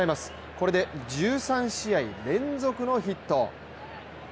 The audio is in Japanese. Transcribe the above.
これで１３試合連続のヒット。